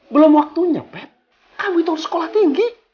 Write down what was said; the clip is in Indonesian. belom waktunya pep kamu itu harus sekolah tinggi